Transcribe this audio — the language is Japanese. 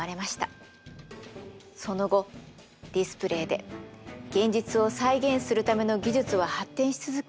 その後ディスプレイで現実を再現するための技術は発展し続け